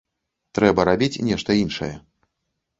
Трэба рабіць нешта іншае.